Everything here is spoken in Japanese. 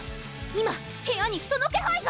今部屋に人の気配が！